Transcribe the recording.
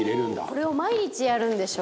「これを毎日やるんでしょ」